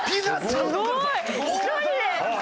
すごーい！